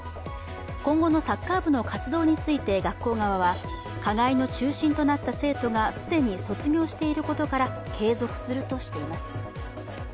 今後のサッカー部の活動について学校側は加害の中心となった生徒が既に卒業していることから、継続するとしています。